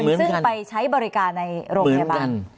ซึ่งไปใช้บริการในโรงพยาบาลเหมือนกัน